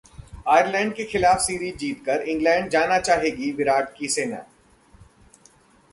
Ireland के खिलाफ series जीतकर इंग्लैंड जाना चाहेगी विराट की सेना